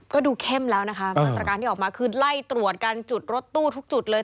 ก็ดูเข้มแล้วนะคะมาตรการที่ออกมาคือไล่ตรวจกันจุดรถตู้ทุกจุดเลย